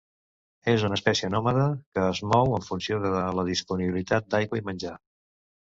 És una espècie nòmada que es mou en funció de la disponibilitat d'aigua i menjar.